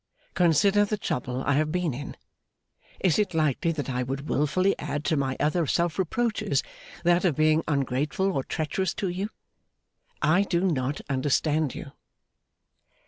Consider the trouble I have been in. Is it likely that I would wilfully add to my other self reproaches, that of being ungrateful or treacherous to you. I do not understand you.